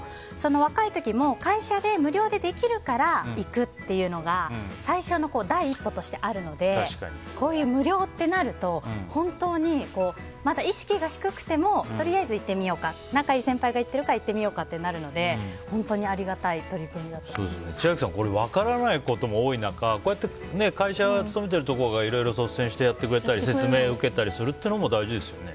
若い時に会社で無料でできるから行くというのが最初の第一歩としてあるのでこういう無料ってなると本当にまだ意識が低くてもとりあえず行ってみようか仲がいい先輩が行ってるから行ってみようかってなるので本当にありがたい取り組みだと千秋さん分からないことも多い中こうやって勤めているところがいろいろ率先してやってくれたり説明してくれるのも大事ですよね。